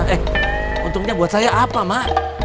eh untungnya buat saya apa mak